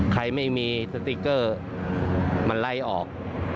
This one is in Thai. ใครไม่มีสติ๊กเกอร์มันไล่ออก